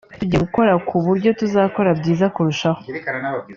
tugiye gukora ku buryo tuzakora byiza kurushaho